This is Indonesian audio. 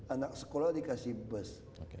anak sekolah dikasih bus